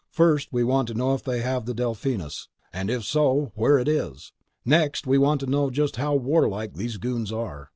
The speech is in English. First, we want to know if they have the Delphinus ... and if so, where it is. Next, we want to know just how warlike these goons are.